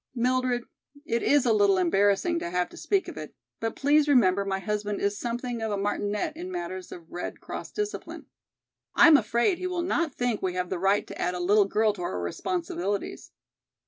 "Mildred, it is a little embarrassing to have to speak of it, but please remember my husband is something of a martinet in matters of Red Cross discipline. I am afraid he will not think we have the right to add a little girl to our responsibilities.